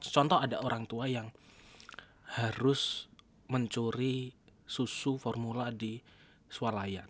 contoh ada orang tua yang harus mencuri susu formula di swalaya